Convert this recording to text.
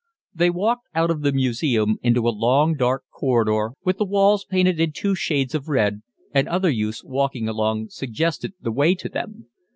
They walked out of the museum into a long, dark corridor, with the walls painted in two shades of red, and other youths walking along suggested the way to them.